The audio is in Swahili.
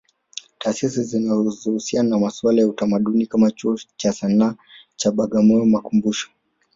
Taasisi zinazojihusisha na masuala ya utamaduni kama Chuo cha Sanaa cha Bagamoyo makumbusho